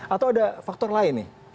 atau ada faktor lain nih